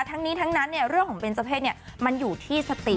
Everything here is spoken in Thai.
ทั้งนี้ทั้งนั้นเรื่องของเบนเจอร์เพศมันอยู่ที่สติ